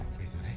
về rồi đấy